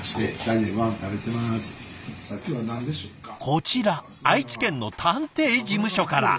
こちら愛知県の探偵事務所から。